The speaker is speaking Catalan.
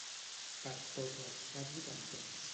Per tots els caps i cantons.